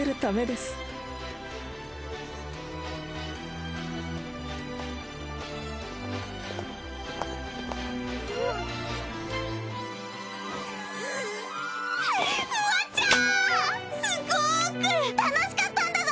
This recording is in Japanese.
すごく！楽しかったんだぞ！